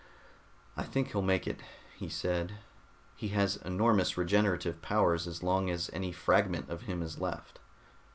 "I think he'll make it," he said. "He has enormous regenerative powers as long as any fragment of him is left."